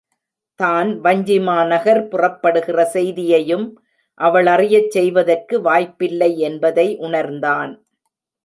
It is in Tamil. தான் வஞ்சிமாநகர் புறப்படுகிற செய்தியையும் அவளறியச் செய்வதற்கு வாய்ப்பில்லை என்பதை உணர்ந்தான்.